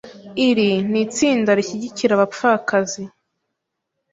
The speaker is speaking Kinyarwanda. Iri ni itsinda rishyigikira abapfakazi.